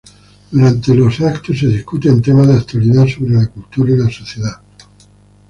Durante el evento se discuten temas de actualidad sobre la cultura y la sociedad.